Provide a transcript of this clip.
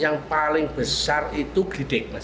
yang paling besar itu gidek mas